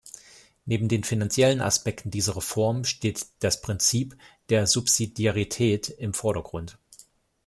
Neben den finanziellen Aspekten dieser Reform steht das Prinzip der Subsidiarität im Vordergrund.